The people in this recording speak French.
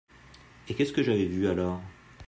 Et qu'est-ce j'avais vu alors ?